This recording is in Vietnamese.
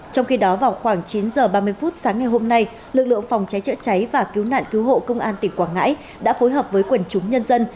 trong khi đó vào khoảng chín h ba mươi phút sáng ngày hôm nay lực lượng phòng cháy chữa cháy và cứu nạn cứu hộ công an tỉnh quảng ngãi đã phối hợp với quần chúng nhân dân